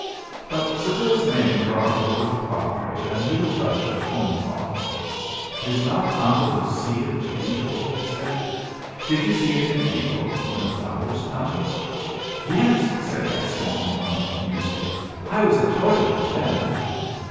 But Seville's name brought over the padre a new rush of home thoughts. "Is not Andalusia beautiful?" he said. "Did you see it in April, when the flowers come?" "Yes," said Gaston, among the music. "I was at Cordova then."